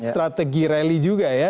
strategi rally juga ya